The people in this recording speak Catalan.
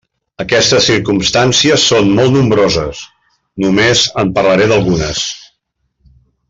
Aquestes circumstàncies són molt nombroses; només en parlaré d'algunes.